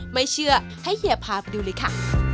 ไม่เชื่อให้เฮียพาไปดูเลยค่ะ